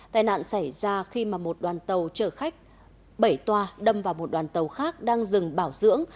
tai nạn xảy ra khi mà một đoàn tàu chở khách bảy toa đâm vào một đoàn tàu khác đang dừng bảo dưỡng